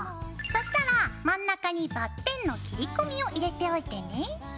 そうしたら真ん中にバッテンの切り込みを入れておいてね。